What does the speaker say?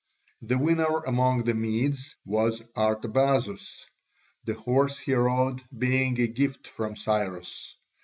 The winner among the Medes was Artabazus, the horse he rode being a gift from Cyrus.